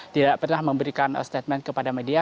tidak pernah memberikan statement kepada media